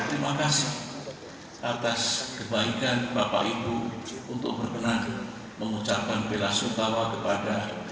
terima kasih atas kebaikan bapak ibu untuk berkenan mengucapkan bila so gawa kepada